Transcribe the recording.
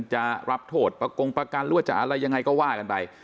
จะรับโทษประกงประกันหรือว่าจะอะไรยังไงก็ว่ากันไป